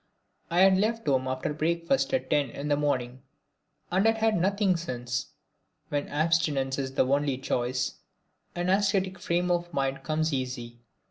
I had left home after breakfast at ten in the morning, and had had nothing since. When abstinence is the only choice, an ascetic frame of mind comes easy.